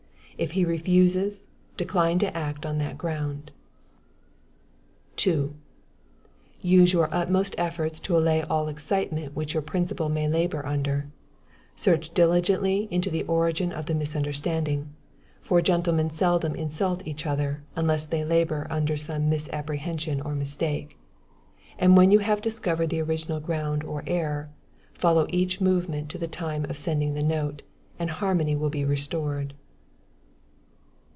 If he refuses, decline to act on that ground. 2. Use your utmost efforts to allay all excitement which your principal may labor under; search diligently into the origin of the misunderstanding; for gentlemen seldom insult each other, unless they labor under some misapprehension or mistake; and when you have discovered the original ground or error, follow each movement to the time of sending the note, and harmony will be restored.